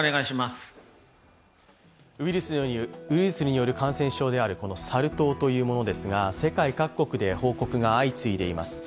ウイルスによる感染症であるサル痘というものですが世界各国で報告が相次いでいます。